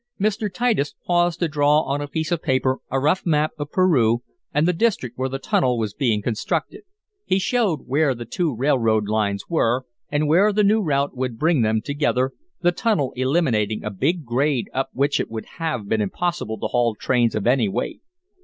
Mr. Titus paused to draw on a piece of paper a rough map of Peru, and the district where the tunnel was being constructed. He showed where the two railroad lines were, and where the new route would bring them together, the tunnel eliminating a big grade up which it would have been impossible to haul trains of any weight.